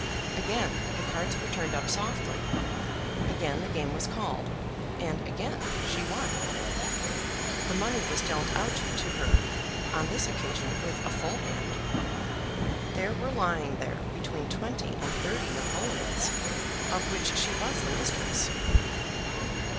Again the cards were turned up softly, again the game was called, and again she won. The money was dealt out to her, on this occasion with a full hand. There were lying there between twenty and thirty napoleons, of which she was the mistress.